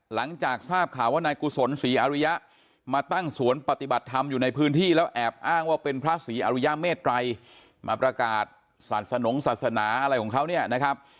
หลังจากทราบข่าวว่านายกุศลศรีอริยะมาตั้งสวนปฏิบัติธรรมอยู่ในพื้นที่แล้วแอบอ้างว่าเป็นพระศรีอริยเมตรัยมาประกาศศาสนงศาสนาอะไรของเขาเนี่ยนะครับ